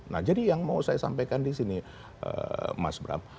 nah jadi yang mau saya sampaikan di sini mas bram